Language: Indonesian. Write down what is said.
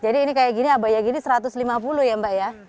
jadi ini kayak gini abang ya gini rp satu ratus lima puluh ya mbak ya